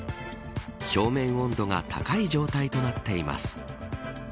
表面温度が高い状態となっています。